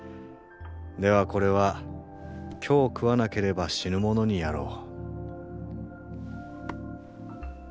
ではこれは今日食わなければ死ぬ者にやろう。